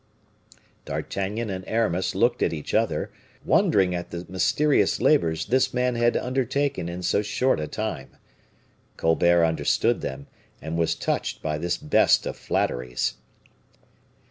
D'Artagnan and Aramis looked at each other, wondering at the mysterious labors this man had undertaken in so short a time. Colbert understood them, and was touched by this best of flatteries.